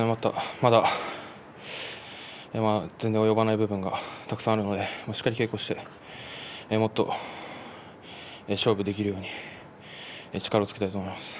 まだ及ばない部分がたくさんありますのでしっかり稽古してもっと勝負できるように力をつけていきたいと思います。